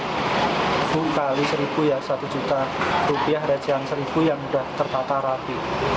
seribu kali seribu ya satu juta rupiah recehan seribu yang sudah tertata rapi